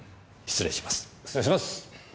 失礼します！